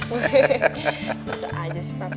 bisa aja sih papi